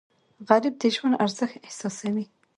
غریب د ژوند ارزښت احساسوي